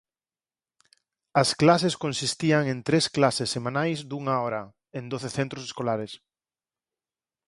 As clases consistían en tres clases semanais dunha hora en doce centros escolares.